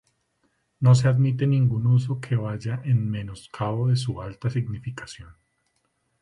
No se admite ningún uso que vaya en menoscabo de su alta significación.